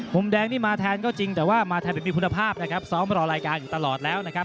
มุมแดงนี่มาแทนก็จริงแต่ว่ามาแทนแบบมีคุณภาพนะครับซ้อมรอรายการอยู่ตลอดแล้วนะครับ